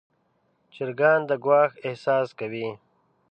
چرګان د ګواښ احساس کوي.